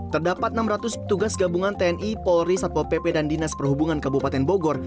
terdapat enam ratus petugas gabungan tni polri satpol pp dan dinas perhubungan kabupaten bogor